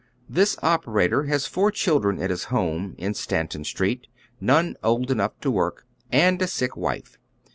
This operator has four children at liis home in Stanton Street, none old enough to work, and a sick wife.